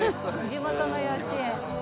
地元の幼稚園。